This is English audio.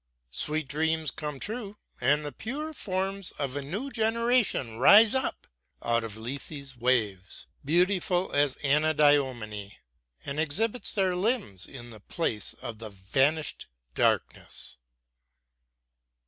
Sweet dreams come true, and the pure forms of a new generation rise up out of Lethe's waves, beautiful as Anadyomene, and exhibit their limbs in the place of the vanished darkness.